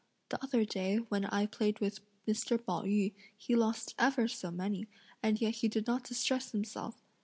The other day when I played with Mr. Pao yü, he lost ever so many, and yet he did not distress himself!